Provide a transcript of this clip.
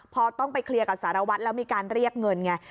พอต้องไปเคลียร์กับสารวัตรแล้วมีการเรียกเงินไง